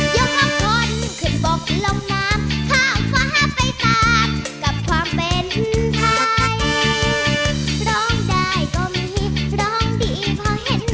ยกข้างคนขึ้นบอกลงน้ำ